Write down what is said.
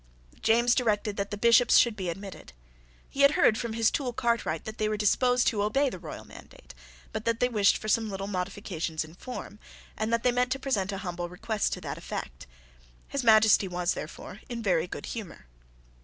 James directed that the Bishops should be admitted. He had heard from his tool Cartwright that they were disposed to obey the royal mandate, but that they wished for some little modifications in form, and that they meant to present a humble request to that effect. His Majesty was therefore in very good humour.